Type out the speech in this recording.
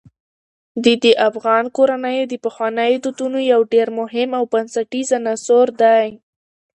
دا د افغان کورنیو د پخوانیو دودونو یو ډېر مهم او بنسټیز عنصر دی.